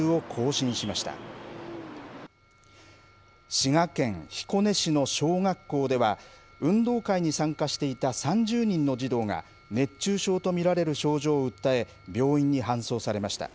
滋賀県彦根市の小学校では運動会に参加していた３０人の児童が熱中症と見られる症状を訴え病院に搬送されました。